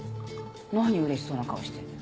何うれしそうな顔してんのよ？